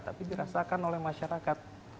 tapi dirasakan oleh masyarakat